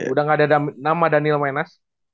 udah gak ada nama daniel menas